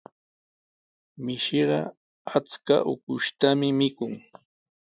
Mishiqa achka ukushtami mikun.